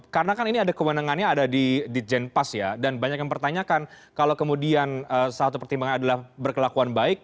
karena kan ini ada kemenangannya ada di dijenpas ya dan banyak yang pertanyakan kalau kemudian satu pertimbangan adalah berkelakuan baik